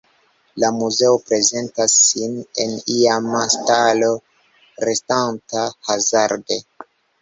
La muzeo prezentas sin en iama stalo restanta hazarde.